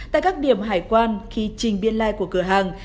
tại các điểm hải quan khi trình biên lai của cửa hàng